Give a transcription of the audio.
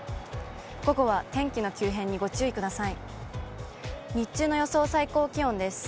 午後は天気の急変にご注意ください。